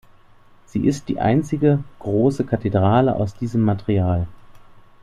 Sie ist die einzige große Kathedrale aus diesem Material.